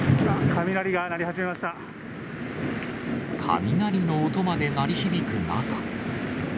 雷の音まで鳴り響く中。